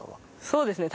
そうですね。